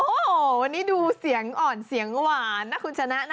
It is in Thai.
โอ้โหวันนี้ดูเสียงอ่อนเสียงหวานนะคุณชนะนะ